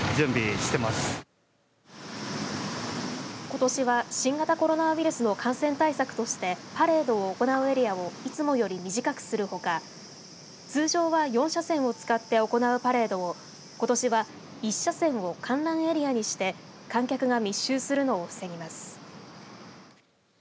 ことしは新型コロナウイルスの感染対策としてパレードを行うエリアをいつもより短くするほか通常は４車線を使って行うパレードを、ことしは１車線を観覧エリアにして観客が密集するのを防ぎます。